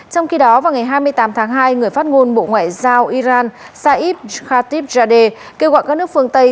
trong khi đó vào ngày hai mươi tám tháng hai người phát ngôn bộ ngoại giao iran saif khatibzadeh kêu gọi các nước phương tây